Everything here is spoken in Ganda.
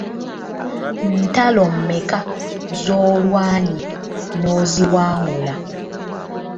Ntalo meka z’olwanye n’oziwangula?